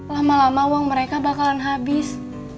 lama lama uang mereka bakalan habis